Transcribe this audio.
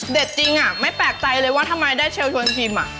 เด็ดจริงอะไม่แปลกใจเลยว่าทำไมได้เชลล์ชนชิมอะ